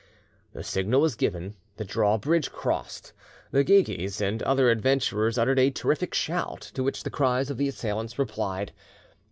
The signal was given; the draw bridge crossed; the Guegues and other adventurers uttered a terrific shout; to which the cries of the assailants replied.